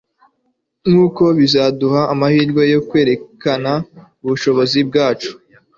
Nkuko bizaduha amahirwe yo kwerekana ubushobozi bwacu